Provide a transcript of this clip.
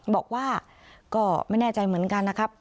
บอกว่าก็ไม่แน่ใจเหมือนกันนะครับ